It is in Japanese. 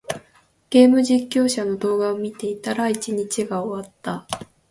ゲーム実況者の動画を見ていたら、一日が終わった。